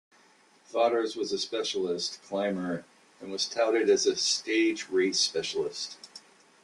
Vaughters was a specialist climber and was touted as a Stage race specialist.